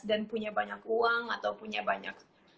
dan punya banyak uang atau punya banyak